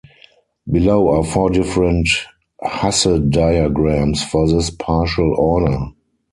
Below are four different Hasse diagrams for this partial order.